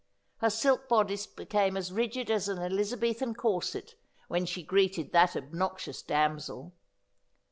Her silk bodice became as rigid as an Eliza bethan corset when she greeted that obnoxious damsel.